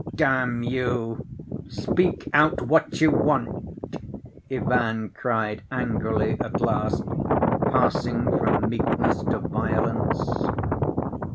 "Damn you! Speak out what you want!" Ivan cried angrily at last, passing from meekness to violence.